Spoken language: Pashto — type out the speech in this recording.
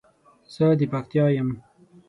زه د پکتیا یم